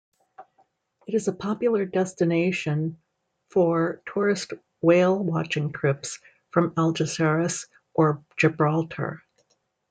It is a popular destination for tourist whale-watching trips from Algeciras or Gibraltar.